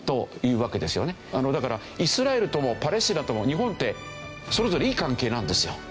だからイスラエルともパレスチナとも日本ってそれぞれいい関係なんですよ。